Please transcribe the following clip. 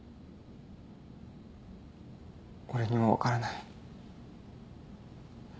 俺にも分からない。